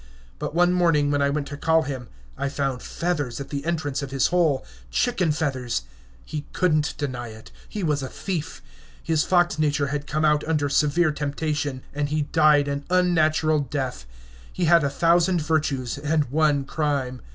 But one morning, when I went to call him, I found feathers at the entrance of his hole, chicken feathers. He couldn't deny it. He was a thief. His fox nature had come out under severe temptation. And he died an unnatural death. He had a thousand virtues and one crime.